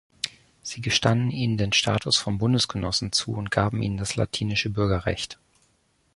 Sie gestanden ihnen den Status von Bundesgenossen zu und gaben ihnen das latinische Bürgerrecht.